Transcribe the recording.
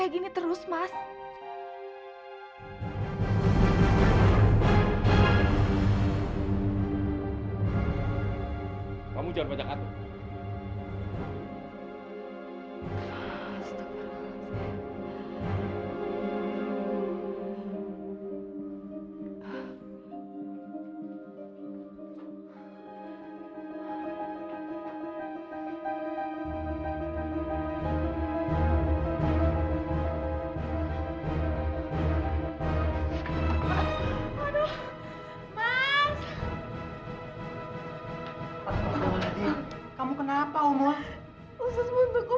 aku ini mobil pakai uang bukan pakai daun